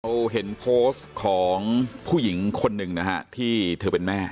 เราเห็นโพสต์ของผู้หญิงคนหนึ่งนะฮะที่เธอเป็นแม่